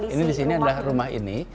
ini disini adalah rumah ini